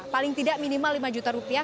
paling tidak minimal lima juta rupiah